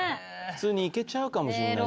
普通に行けちゃうかもしれない。